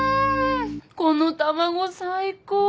この卵最高！